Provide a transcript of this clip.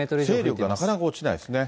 勢力がなかなか落ちないですね。